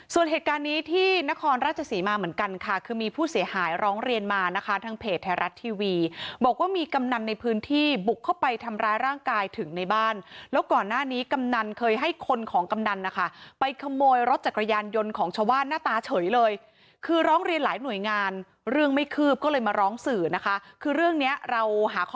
ส่วนเหตุการณ์นี้ที่นครราชศรีมาเหมือนกันค่ะคือมีผู้เสียหายร้องเรียนมานะคะทางเพจไทยรัฐทีวีบอกว่ามีกำนันในพื้นที่บุกเข้าไปทำร้ายร่างกายถึงในบ้านแล้วก่อนหน้านี้กำนันเคยให้คนของกำนันนะคะไปขโมยรถจักรยานยนต์ของชาวบ้านหน้าตาเฉยเลยคือร้องเรียนหลายหน่วยงานเรื่องไม่คืบก็เลยมาร้องสื่อนะคะคือเรื่องเนี้ยเราหาค